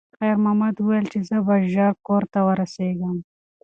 خیر محمد وویل چې زه به ژر کور ته ورسیږم.